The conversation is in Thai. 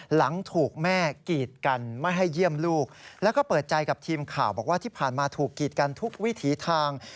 หลังถูกแม่กีดกันไม่ให้เยี่ยมลูกแล้วก็เปิดใจกับทีมข่าวบอกว่าที่ผ่านมาถูกกีดกันทุกวิถีทาง